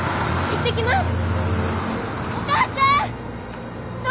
行ってきます！